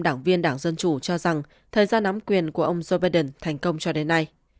đảng viên đảng dân chủ cho rằng thời gian nắm quyền của ông joe biden thành công cho đến nay